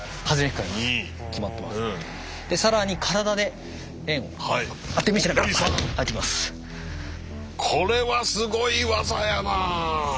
更にこれはすごい技やなあ。